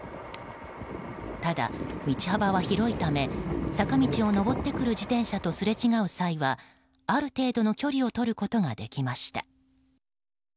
ただ、道幅は広いため坂道を上ってくる自転車とすれ違う際はある程度の距離を取ることができました。